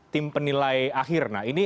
tim penilai akhir nah ini